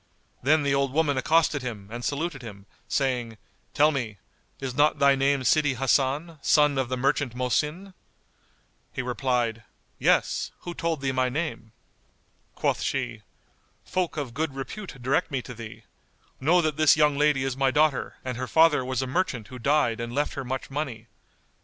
Then the old woman accosted him and saluted him, saying, "Tell me, is not thy name Sidi Hasan, son of the merchant Mohsin?" He replied, "Yes, who told thee my name?" Quoth she, "Folk of good repute direct me to thee. Know that this young lady is my daughter and her father was a merchant who died and left her much money.